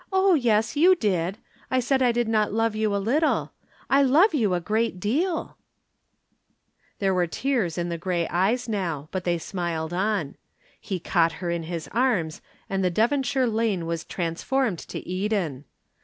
"Oh, yes, you did. I said I did not love you a little. I love you a great deal." There were tears in the gray eyes now, but they smiled on. He caught her in his arms and the Devonshire lane was transformed to Eden.